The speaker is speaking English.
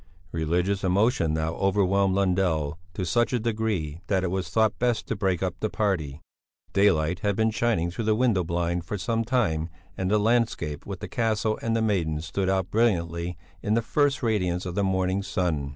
Religious emotion now overwhelmed Lundell to such a degree that it was thought best to break up the party. Daylight had been shining through the window blind for some time and the landscape with the castle and the maiden stood out brilliantly in the first radiance of the morning sun.